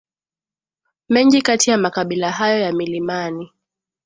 Mengi kati ya makabila hayo ya milimani